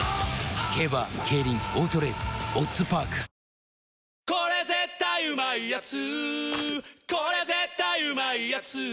続く「日清これ絶対うまいやつ」